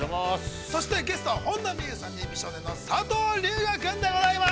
そしてゲストは、本田望結さんに美少年の佐藤龍我君でございます！